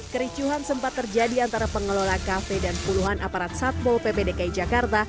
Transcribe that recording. kericuhan sempat terjadi antara pengelola kafe dan puluhan aparat satpol pp dki jakarta